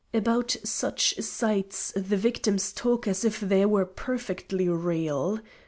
About such sights the victims talk as if they were perfectly real.